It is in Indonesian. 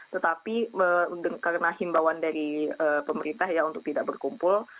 tetapi karena himbawan dari pemerintah ya untuk tidak berkumpul